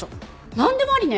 なんでもありね。